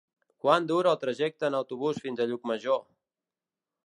Quant dura el trajecte en autobús fins a Llucmajor?